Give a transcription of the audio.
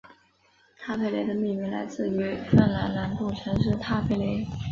坦佩雷的命名来自于芬兰南部城市坦佩雷。